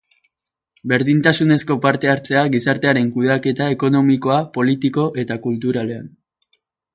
Berdintasunezko parte-hartzea gizartearen kudeaketa ekonomikoa, politiko eta kulturalean.